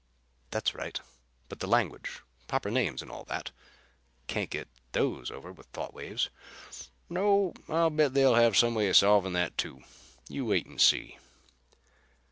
"That's right. But the language. Proper names and all that. Can't get those over with thought waves." "No, but I'll bet they'll have some way of solving that too. You wait and see."